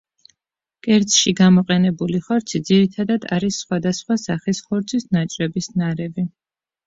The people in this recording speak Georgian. კერძში გამოყენებული ხორცი ძირითადად არის სხვა და სხვა სახის ხორცის ნაჭრების ნარევი.